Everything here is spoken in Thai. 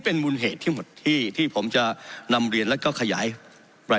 เป็นมูลเหตุที่หมดที่ที่ผมจะนำเรียนแล้วก็ขยายราย